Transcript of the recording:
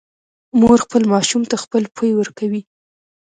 مور خپل ماشوم ته خپل پی ورکوي